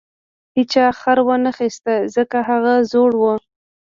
هیچا خر ونه خیست ځکه هغه زوړ و.